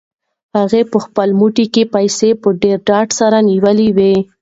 ده په خپل موټ کې پیسې په ډېر ډاډ سره نیولې وې.